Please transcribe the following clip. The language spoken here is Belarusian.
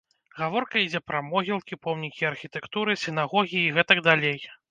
Гаворка ідзе пра могілкі, помнікі архітэктуры, сінагогі і гэтак далей.